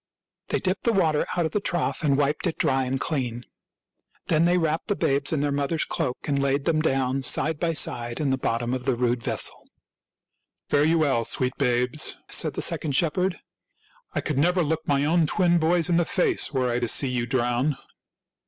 They dipped the water out of the trough and wiped it dry and clean. Then they wrapped the babes in their mother's cloak and laid them down, side by side, in the bottom of the rude vessel. " Fare you well, sweet babes," said the second shepherd. " I could never look my own twin boys in the face were I to see you drown."